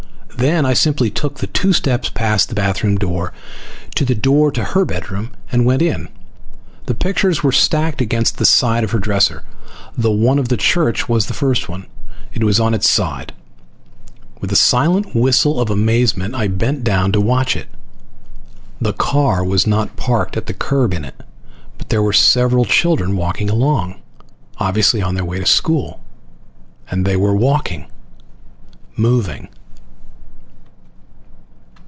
Then I simply took the two steps past the bathroom door to the door to her bedroom and went in. The pictures were stacked against the side of her dresser. The one of the church was the first one. It was on its side. With a silent whistle of amazement I bent down to watch it. The car was not parked at the curb in it, but there were several children walking along, obviously on their way to school. And they were walking. Moving.